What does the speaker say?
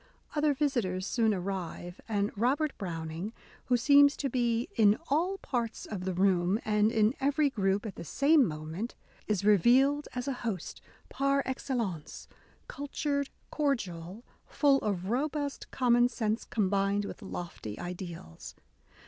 Other visitors soon arrive ; and Robert Browning, who seems to be '*in all parts of the room and in every group at the same moment," is revealed as a host par excel lence^ — cultured, cordial, full of robust common sense combined with lofty ideals.